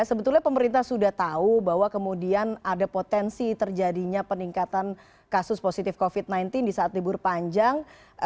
sebetulnya pemerintah sudah tahu bahwa kemudian ada potensi terjadinya peningkatan kasus positif covid sembilan belas di saat libur panjang